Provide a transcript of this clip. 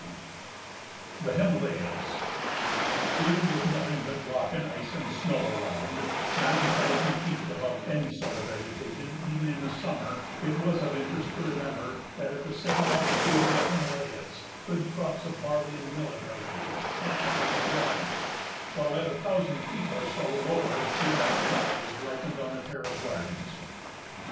] [Sidenote: The Himalayas] Here, with nothing but rock and ice and snow around, nine thousand feet above any sort of vegetation even in the summer, it was of interest to remember that at the same altitude in the Himalayas good crops of barley and millet are raised and apples are grown, while at a thousand feet or so lower the apricot is ripened on the terrace gardens.